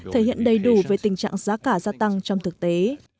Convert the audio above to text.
thể hiện đầy đủ về tình trạng giá cả gia tăng trong thực tế